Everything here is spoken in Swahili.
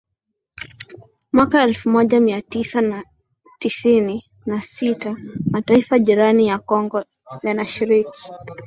mwaka elfu moja Mia Tisa na tisini na sita Mataifa jirani ya Kongo yanashiriki